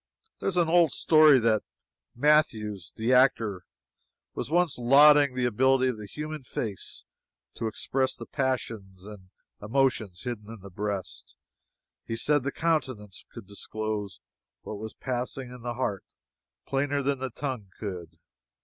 There is an old story that Matthews, the actor, was once lauding the ability of the human face to express the passions and emotions hidden in the breast. He said the countenance could disclose what was passing in the heart plainer than the tongue could.